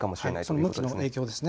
それは向きの影響です。